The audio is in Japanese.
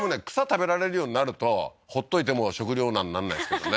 食べられるようになるとほっといても食糧難なんないですけどね